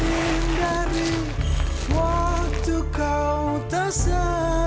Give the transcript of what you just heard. ya terima kasih neng